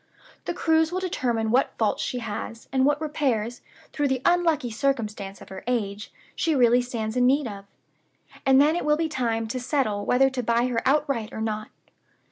The cruise will determine what faults she has, and what repairs, through the unlucky circumstance of her age, she really stands in need of. And then it will be time to settle whether to buy her outright or not.